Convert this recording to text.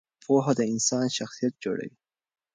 پوهه د انسان شخصیت جوړوي.